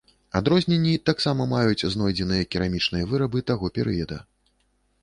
Адрозненні таксама маюць знойдзеныя керамічныя вырабы таго перыяда.